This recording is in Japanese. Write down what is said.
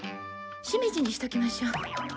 しめじにしときましょう。